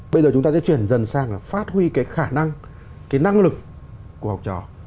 bây giờ chúng ta sẽ chuyển dần sang là phát huy cái khả năng cái năng lực của học trò